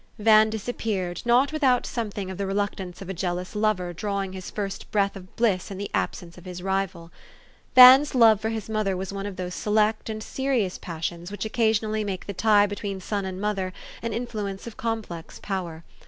Van disappeared, not without something of the reluctance of a jealous lover drawing his first breath of bliss in the absence of his rival. Van's love for his mother was one of those select and serious pas sions which occasionally make the tie between son and mother an influence of complex power.